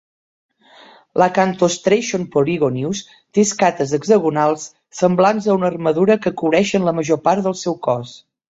L'Acanthostracion polygonius té escates hexagonals semblants a una armadura que cobreixen la major part del seu cos.